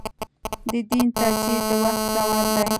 د دین تجدید د وخت ځواب دی.